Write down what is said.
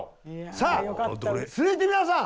さあ続いて皆さん